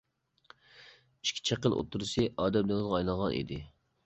ئىككى چېقىل ئوتتۇرىسى ئادەم دېڭىزىغا ئايلانغان ئىدى.